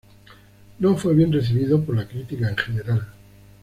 No fue bien recibido por la crítica en general.